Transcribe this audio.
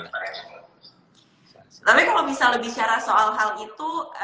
tapi kalau bisa lebih secara soal hal itu